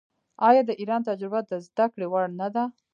آیا د ایران تجربه د زده کړې وړ نه ده؟